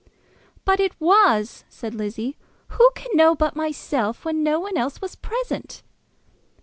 "But it was," said Lizzie. "Who can know but myself, when no one else was present?"